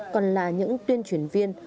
còn là những tuyên truyền viên